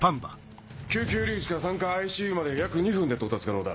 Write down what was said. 救急入り口から３階ＩＣＵまでは約２分で到達可能だ。